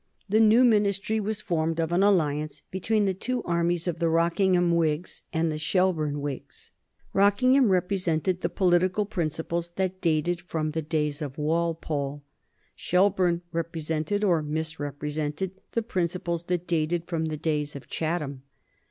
The new Ministry was formed of an alliance between the two armies of the Rockingham Whigs and the Shelburne Whigs. Rockingham represented the political principles that dated from the days of Walpole. Shelburne represented, or misrepresented, the principles that dated from the days of Chatham.